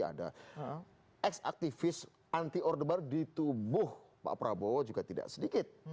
ada ex aktivis anti orde baru di tubuh pak prabowo juga tidak sedikit